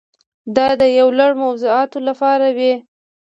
دا د یو لړ موضوعاتو لپاره وي.